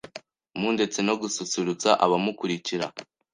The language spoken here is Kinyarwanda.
mndetse no gususurutsa abamukurikira